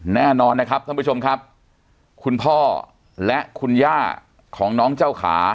แน่นอนนะครับท่านผู้ชมครับคุณพ่อและคุณย่าของน้องเจ้าขา